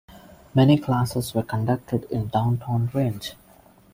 Many classes were conducted in downtown Rindge.